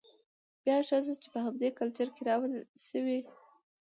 بيا ښځه چې په همدې کلچر کې رالوى شوې،